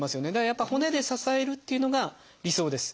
やっぱ骨で支えるっていうのが理想です。